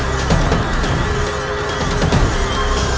aku akan terus memburumu